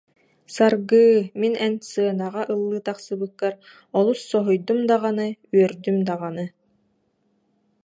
Саргыы, мин эн сценаҕа ыллыы тахсыбыккар олус соһуйдум даҕаны, үөрдүм даҕаны